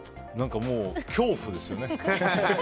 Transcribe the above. もう恐怖ですよね。